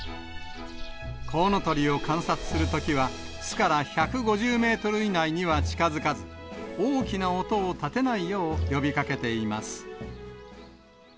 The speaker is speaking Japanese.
コウノトリを観察するときは、巣から１５０メートル以内には近づかず、大きな音を立てないよう呼びかけています。